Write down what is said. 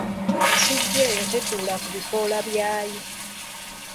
Ensujju eyo tetuula ku bikoola byayo.